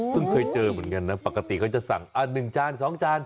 เคยเจอเหมือนกันนะปกติเขาจะสั่ง๑จาน๒จาน